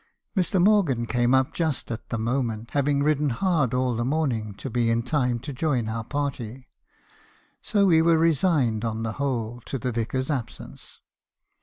Mr. Morgan came up just at the moment, having ridden hard all the morning to be in time to join our party; so we were resigned, on the whole , to the vicar's absence.